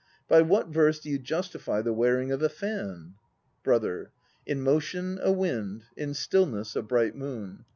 By what verse do you justify the wearing of a fan? BROTHER. "In motion, a wind; In stillness, a bright moon."